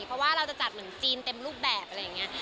เพราะว่าเราจะจัดเหมือนจีนเต็มรูปแบบอะไรอย่างนี้